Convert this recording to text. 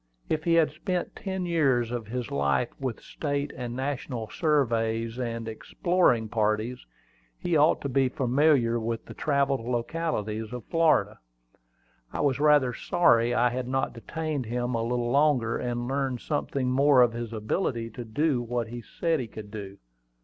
If he had spent ten years of his life with state and national surveys and exploring parties, he ought to be very familiar with the travelled localities of Florida. I was rather sorry I had not detained him a little longer, and learned something more of his ability to do what he said he could do.